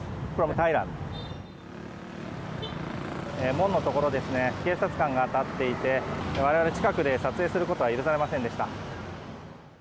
門のところですね警察官が立っていて我々、近くで撮影することは許されませんでした。